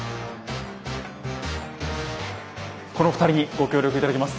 この２人にご協力頂きます。